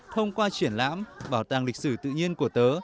thông qua triển lãm bảo tàng lịch sử tự nhiên của tớ